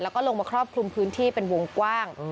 แล้วก็ลงมาครอบคลุมพื้นที่เป็นวงกว้าง